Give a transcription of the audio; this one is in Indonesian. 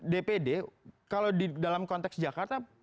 dpd kalau di dalam konteks jakarta